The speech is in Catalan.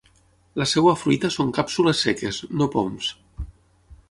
La seva fruita són càpsules seques, no poms.